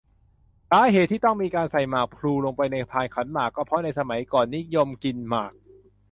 สาเหตุที่ต้องมีการใส่หมากพลูลงไปในพานขันหมาก ก็เพราะในสมัยก่อนนิยมกินหมาก